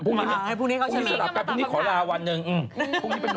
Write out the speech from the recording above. อ่อว่าเกี่ยวกับทำตอบของเธอก็คือถือไม่รู้